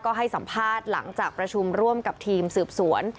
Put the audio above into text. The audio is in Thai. ก็ให้สัมภาษณ์หลังจากประชุมร่วมกับทีมสืบสวน